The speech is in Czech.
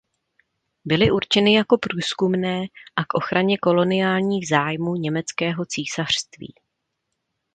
Byly určeny jako průzkumné a k ochraně koloniálních zájmů Německého císařství.